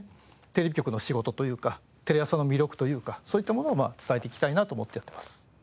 テレビ局の仕事というかテレ朝の魅力というかそういったものを伝えていきたいなと思ってやってます。